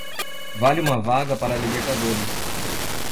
Vale uma vaga para a Libertadores.